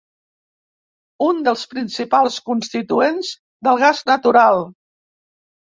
Un dels principals constituents del gas natural.